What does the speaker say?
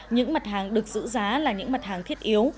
những mặt hàng được giữ giá là những mặt hàng thiết yếu